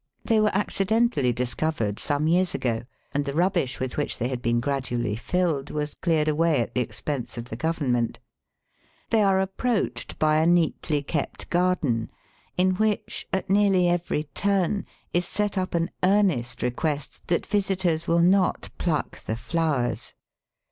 They were accidentally discovered some years ago, and the rubbish with which they had been gradually filled was cleared away at the expense of the Government. They are approached by a neatly kept garden, in which, at nearly every turn, is set up an earnest request that visitors will not pluck the flowers.